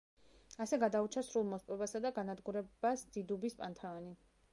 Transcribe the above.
ასე გადაურჩა სრულ მოსპობასა და განადგურებას დიდუბის პანთეონი.